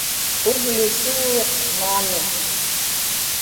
uvlisuuruq maani